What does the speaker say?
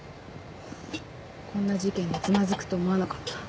こんな事件でつまずくと思わなかった。